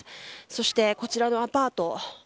そして、こちらのアパート